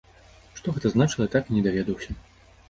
Што гэта значыла, я так і не даведаўся.